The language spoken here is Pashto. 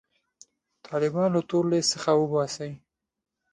طالبان له تور لیست څخه وباسي.